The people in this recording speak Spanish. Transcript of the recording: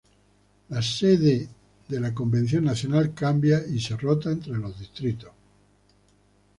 La sede la Convención Nacional cambia y se rota entre los distritos.